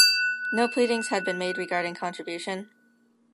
No pleadings had been made regarding contribution.